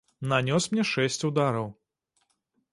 Нанёс мне шэсць удараў.